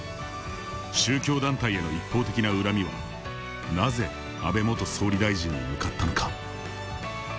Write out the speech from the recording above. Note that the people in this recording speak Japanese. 宗教団体への一方的な恨みはなぜ安倍元総理大臣に向かったのか。